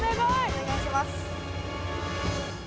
お願いします。